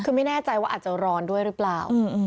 คือไม่แน่ใจว่าอาจจะร้อนด้วยหรือเปล่า